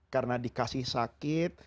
karena dikasih sakit